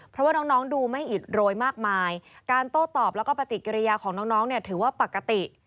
เพราะว่าน้องดูไม่อิดโรยมากมายการโต้ตอบแล้วก็ปฏิกิริยาของน้องเนี่ยถือว่าปกติ